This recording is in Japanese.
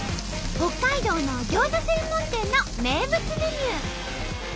北海道のギョーザ専門店の名物メニュー。